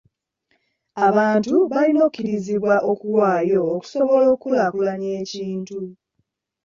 Abantu balina okukkirizibwa okuwaayo okusobola okukulaakulanya ekintu.